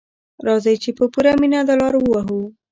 راځئ چې په پوره مینه دا لاره ووهو.